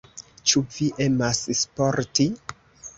Ĉu vi emas sporti?